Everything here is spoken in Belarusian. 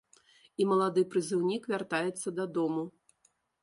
І малады прызыўнік вяртаецца дадому.